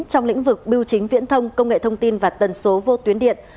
trong lĩnh vực biểu chính viễn thông công nghệ thông tin và tần số vô tuyến điện